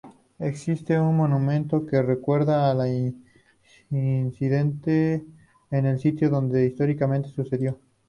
Existe un monumento que recuerda el incidente en el sitio en donde históricamente sucedió.